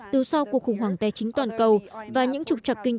từ sau cuộc khủng hoảng tài chính